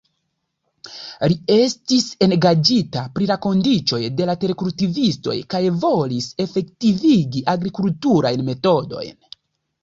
Li estis engaĝita pri la kondiĉoj de la terkultivistoj kaj volis efektivigi agrikulturajn metodojn.